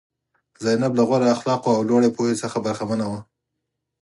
زینب له غوره اخلاقو او لوړې پوهې څخه برخمنه وه.